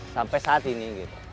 sampai saat ini